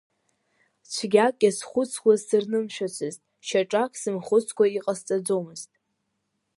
Цәгьак иазхәыцуаз сырнымшәацызт, шьаҿак сымхәыцкәа иҟасҵаӡомызт…